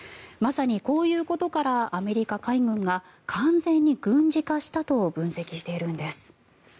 まさにこういうことからアメリカ海軍が完全に軍事化したと分析しているんです。